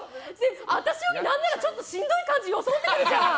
私より何ならしんどい感じ装ってくるじゃん！